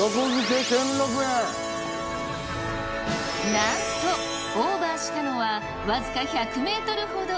なんとオーバーしたのはわずか１００ｍほど。